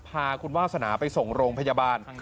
พาคุณวาสนาไปส่งโรงพยาบาล